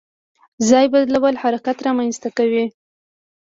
ځای بدلول حرکت رامنځته کوي.